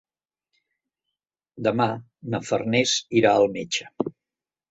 Demà na Farners irà al metge.